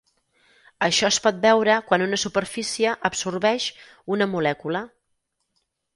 Això es pot veure quan una superfície absorbeix una molècula.